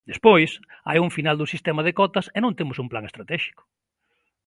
Despois, hai un final do sistema de cotas e non temos un plan estratéxico.